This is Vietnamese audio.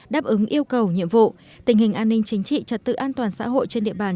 đáp ứng yêu cầu nhiệm vụ tình hình an ninh chính trị trật tự an toàn xã hội trên địa bàn